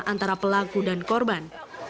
antara pelaku dan korban